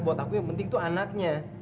buat aku yang penting itu anaknya